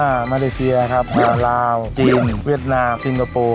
มาเลเซียครับอย่างลาวจีนเวียดนามซิงคโปร์